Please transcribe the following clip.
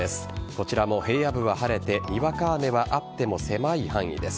こちらも平野部は晴れてにわか雨はあっても狭い範囲です。